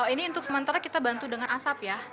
ini untuk sementara kita bantu dengan asap ya